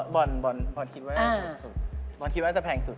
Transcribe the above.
บ่อนคิดว่าดูถูกสุดบอลน่าจะแพงสุด